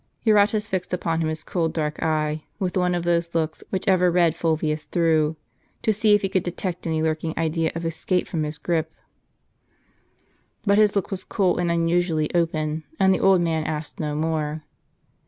Eurotas fixed upon him his cold dark eye, with one of those looks which ever read Fulvius through; to see if he could detect any lurking idea of escape from his gripe. But his look was cool and unusually open, and the old man asked no more.